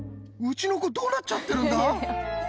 うちの子どうなっちゃってるんだ